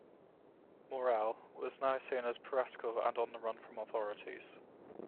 Morrell, was now seen as piratical and on the run from authorities.